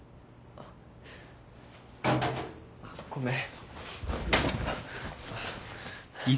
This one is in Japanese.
あっごめん。